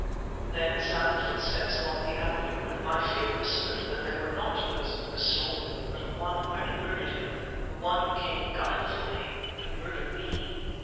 Then sounded footsteps along the avenue, and my fear whispered that they were not those of Bristol but of one who had murdered him, and who came guilefully, to murder me!